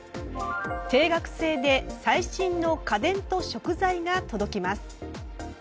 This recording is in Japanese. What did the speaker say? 定額制で最新の家電と食材が届きます。